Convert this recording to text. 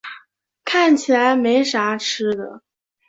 看起来没啥吃的